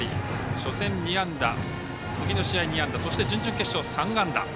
初戦、２安打次の試合、２安打そして、準々決勝、３安打。